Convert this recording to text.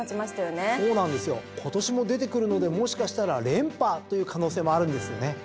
今年も出てくるのでもしかしたら連覇という可能性もあるんですよね。